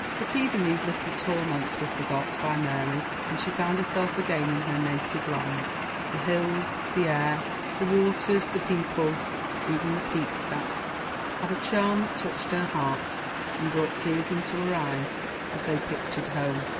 But even these little torments were forgot by Mary when she found herself again in her native land. The hills, the air, the waters, the people, even the peat stacks, had a charm that touched her heart, and brought tears into her eyes as they pictured home.